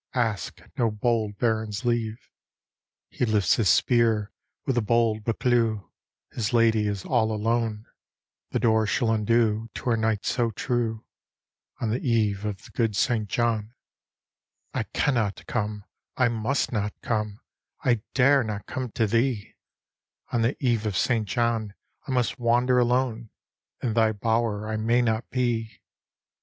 Ask no bold Baron's leave. "' He lifts his spear with the bold Buccleudi; His lady is all alone; The door she'll undo, to her knight so true On the eve of the good St John.' — D,gt,, erihyGOOgle Tke Eve of St. John 215 "'I cannot come, I must not come: I dare not come to thee; On the eve of St. John I must wander alone, In thy bower I may not be.'